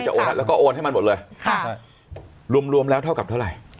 โอนแล้วก็โอนให้มันหมดเลยรวมรวมแล้วเท่ากับเท่าไหร่